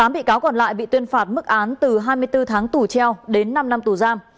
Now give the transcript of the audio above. một mươi bị cáo còn lại bị tuyên phạt mức án từ hai mươi bốn tháng tù treo đến năm năm tù giam